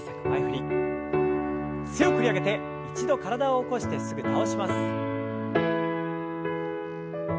強く振り上げて一度体を起こしてすぐ倒します。